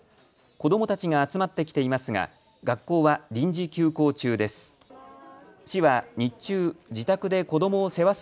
子どもたちが集まってきていますが学校は臨時休校中です。